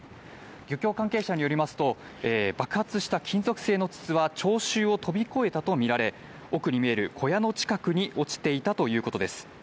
漁協関係者によりますと、爆発した金属製の筒は聴衆を飛び越えたとみられ、奥に見える小屋の近くに落ちていたということです。